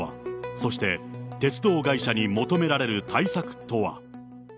そして、鉄道会社に求めるられる対策とは。